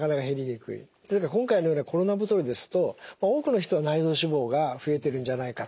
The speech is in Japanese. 今回のようなコロナ太りですと多くの人が内臓脂肪が増えているんじゃないかと。